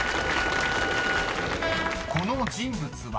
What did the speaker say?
［この人物は？］